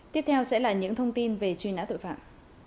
tiếp theo sẽ là những thông tin về truy nã tội phạm